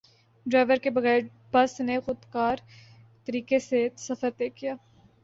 driver کے بغیر bus نے خودکار طریقے سے سفر طے کیا